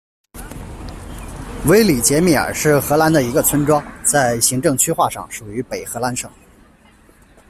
威里杰米尔是荷兰的一个村庄，在行政区划上属于北荷兰省。